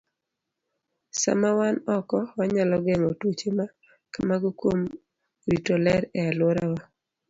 Sama wan oko, wanyalo geng'o tuoche ma kamago kuom rito ler e alworawa.